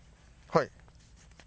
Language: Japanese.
はい。